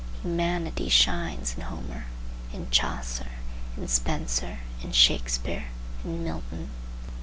Humanity shines in Homer, in Chaucer, in Spenser, in Shakspeare, in Milton.